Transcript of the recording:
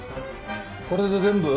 これで全部？